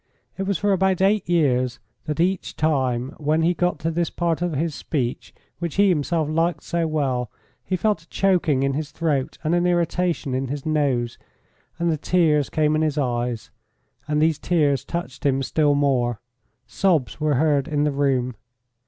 It was for about eight years that each time when he got to this part of his speech, which he himself liked so well, he felt a choking in his throat and an irritation in his nose, and the tears came in his eyes, and these tears touched him still more. Sobs were heard in the room.